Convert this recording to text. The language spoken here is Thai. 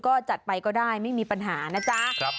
ก็จัดไปก็ได้ไม่มีปัญหานะจ๊ะ